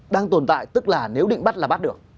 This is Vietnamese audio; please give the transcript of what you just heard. đang tồn tại tức là nếu định bắt là bắt được